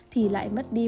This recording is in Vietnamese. thì lại mất đi